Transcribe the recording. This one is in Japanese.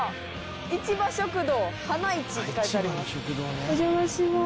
「市場食堂花いち」って書いてあります。